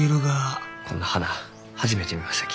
こんな花初めて見ましたき。